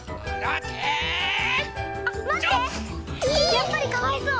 やっぱりかわいそう。